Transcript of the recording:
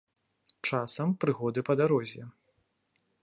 Часам прыгоды па дарозе.